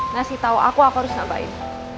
ngasih tahu aku aku harus ngapain